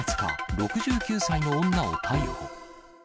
６９歳の女を逮捕。